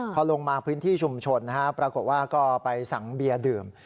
พอลงมาพื้นที่ชุมชนปรากฏว่าก็ไปสั่งเบียร์ดื่ม